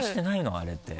あれって。